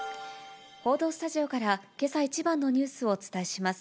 報道スタジオからけさ一番のニュースをお伝えします。